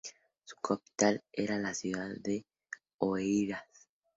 Su capital era la ciudad de Oeiras.